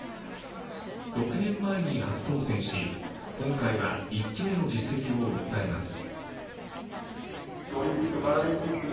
６年前に初当選し、今回は１期目の実績を訴えます。